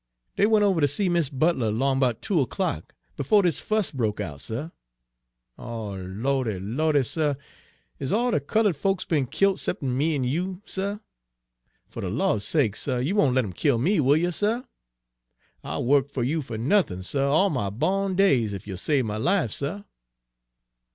"Dey went over ter see Mis' Butler 'long 'bout two o'clock, befo' dis fuss broke out, suh. Oh, Lawdy, Lawdy, suh! Is all de cullud folks be'n killt 'cep'n' me an' you, suh? Fer de Lawd's sake, suh, you won' let 'em kill me, will you, suh? I'll wuk fer you fer nuthin', suh, all my bawn days, ef you'll save my life, suh!"